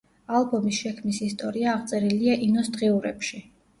ალბომის შექმნის ისტორია აღწერილია ინოს დღიურებში.